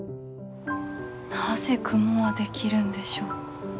なぜ雲は出来るんでしょう。